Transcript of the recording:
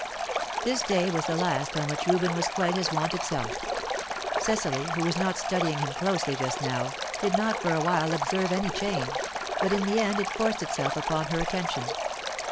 '" This day was the last on which Reuben was quite his wonted self. Cecily, who was not studying him closely just now, did not for a while observe any change, but in the end it forced itself upon her attention.